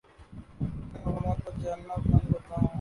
نئے مقامات پر جانا پسند کرتا ہوں